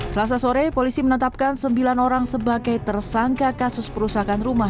selasa sore polisi menetapkan sembilan orang sebagai tersangka kasus perusakan rumah